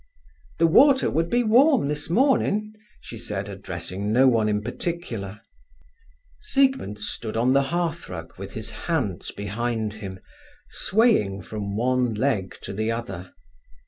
"The water would be warm this morning," she said, addressing no one in particular. Siegmund stood on the hearth rug with his hands behind him, swaying from one leg to the other.